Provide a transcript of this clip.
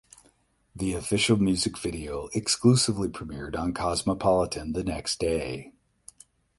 The official music video exclusively premiered on Cosmopolitan the next day.